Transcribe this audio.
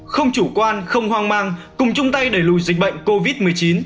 không chủ quan không hoang mang cùng chung tay đẩy lùi dịch bệnh covid một mươi chín